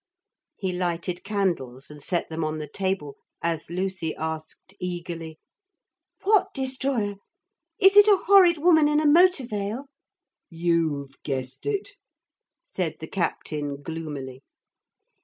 He lighted candles and set them on the table as Lucy asked eagerly: 'What Destroyer? Is it a horrid woman in a motor veil?' 'You've guessed it,' said the captain gloomily.